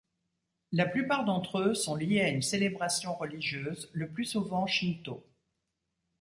La plupart d'entre eux sont liés à une célébration religieuse, le plus souvent shintō.